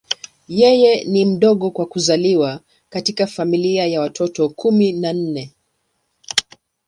Yeye ni mdogo kwa kuzaliwa katika familia ya watoto kumi na nne.